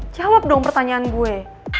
jawab dong pertanyaan gue